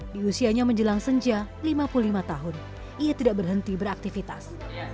di usianya menjelang senja lima puluh lima tahun ia tidak berhenti beraktivitas